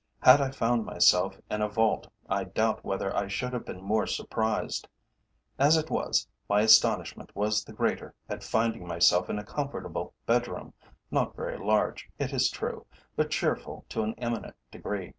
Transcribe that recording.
Had I found myself in a vault, I doubt whether I should have been more surprised. As it was, my astonishment was the greater at finding myself in a comfortable bed room, not very large, it is true, but cheerful to an eminent degree.